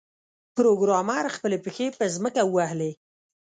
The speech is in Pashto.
پروګرامر خپلې پښې په ځمکه ووهلې